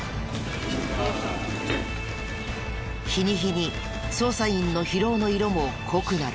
日に日に捜査員の疲労の色も濃くなる。